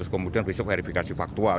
kemudian proses verifikasi faktual